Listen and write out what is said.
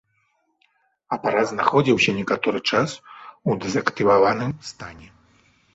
Апарат знаходзіўся некаторы час у дэзактываваным стане.